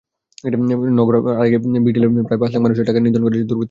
নওগাঁর আত্রাইয়ে পুকুরে বিষ ঢেলে প্রায় পাঁচ লাখ টাকার মাছ নিধন করেছে দুর্বৃত্তরা।